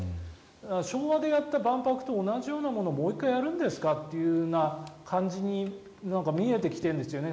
昭和でやった万博と同じようなものをもう一回やるんですかという感じに見えてきてるんですよね